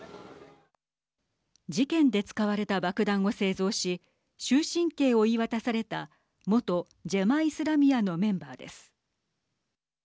事件で使われた爆弾を製造し終身刑を言い渡された元ジェマ・イスラミアのメンバーです。